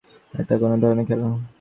এটা কোন ধরনের খেলা?